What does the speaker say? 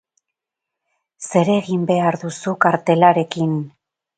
Zer egin behar duzu kartelarekin?